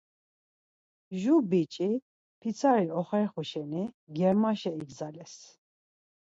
Jur biç̌i pitsari oxerxu şeni germaşa igzales.